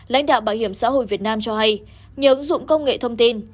lãnh đạo bảo hiểm xã hội việt nam cho hay nhờ ứng dụng công nghệ thông tin